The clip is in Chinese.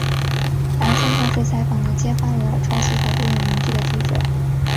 朗森同时采访了揭发雷尔抄袭和误用名句的记者。